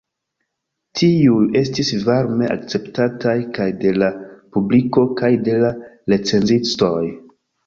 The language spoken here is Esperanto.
Tiuj estis varme akceptataj kaj de la publiko kaj de la recenzistoj.